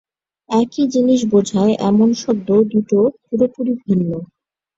একই জিনিস বোঝায় এমন শব্দ দুটো পুরোপুরি ভিন্ন।